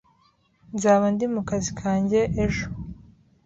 Nzaba ndi mu kazi kanjye ejo